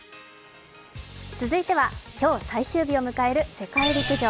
続いては、今日最終日を迎える世界陸上。